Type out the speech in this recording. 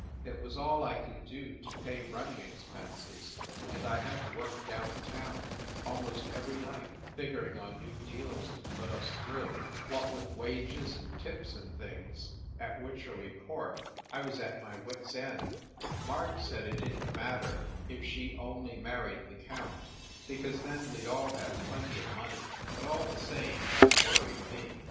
It was all I could do to pay running expenses, and I had to work down town almost every night figuring on new deals to put us through. What with wages and tips and things at Wycherley 222 FIND THE WOMAN Court, I was at my wit s end. Marg said it didn t matter if she only married the count; because then we d all have plenty of money. But all the same it worried me.